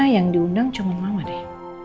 yang diundang cuman mama deh